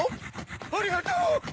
ありがとう！